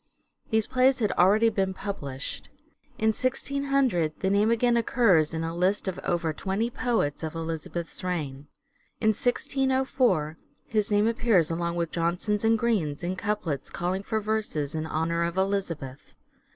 These plays had already been published. In 1600 the name again occurs in a list of over twenty poets of Elizabeth's reign. In 1604 his name appears along with Jonson's and Green's in couplets calling for verses in honour of Elizabeth.